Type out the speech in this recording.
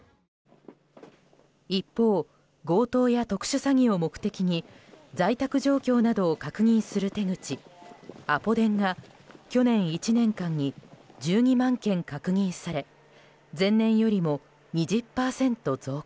一方、強盗や特殊詐欺を目的に在宅状況などを確認する手口アポ電が去年１年間に１２万件確認され前年よりも２０％増加。